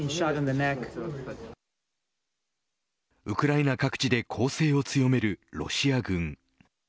ウクライナ各地で攻勢を強めるロシア軍。